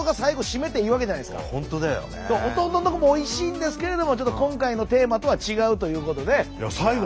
弟のとこもおいしいんですけれども今回のテーマとは違うということで。